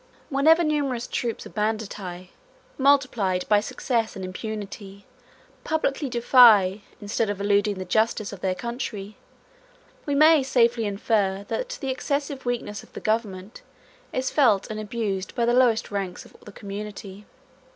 Whenever numerous troops of banditti, multiplied by success and impunity, publicly defy, instead of eluding, the justice of their country, we may safely infer that the excessive weakness of the country is felt and abused by the lowest ranks of the community.